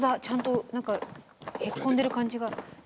ちゃんと何かへっこんでる感じが。